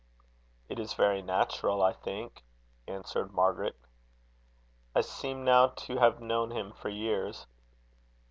"It is very natural, I think," answered Margaret. "I seem now to have known him for years."